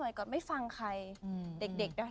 เป็นเงี้ยกจริง